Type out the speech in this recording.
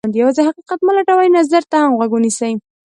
یوازې حقیقت مه لټوئ، نظر ته هم غوږ ونیسئ.